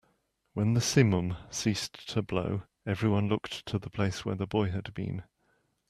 When the simum ceased to blow, everyone looked to the place where the boy had been.